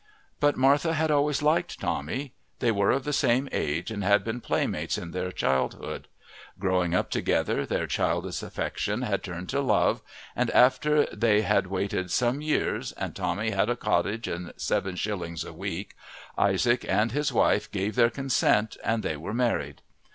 But Martha had always liked Tommy; they were of the same age and had been playmates in their childhood; growing up together their childish affection had turned to love, and after they had waited some years and Tommy had a cottage and seven shillings a week, Isaac and his wife gave their consent and they were married.